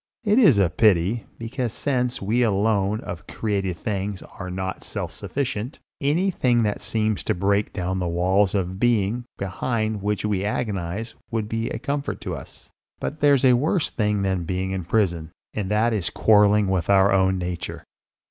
It is a pity, because since we alone of created things are not self sufficient, anything that seems to break down the walls of being behind which we agonise would be a comfort to us; but there's a worse thing than being in prison, and that is quarrelling with our own nature.